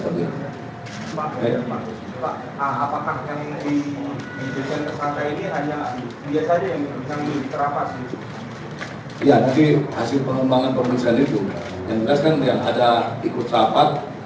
kaitan dengan pemberitaan yang ada di media sosial